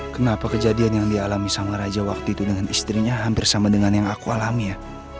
kenapa kejadian yang dialami sama raja waktu itu dengan istrinya hampir sama dengan yang aku alami ya